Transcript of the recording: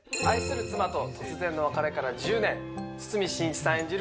愛する妻と突然の別れから１０年堤真一さん